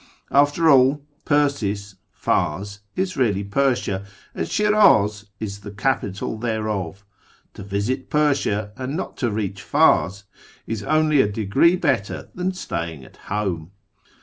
After all, Persis (Fdrs) is really Persia, and Shiraz is the capital thereof; to visit Persia and not to reach Pars is only a degree better than staying at home.